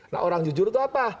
nah orang jujur itu apa